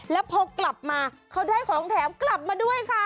แล้วพอกลับมาเขาได้ของแถมกลับมาด้วยค่ะ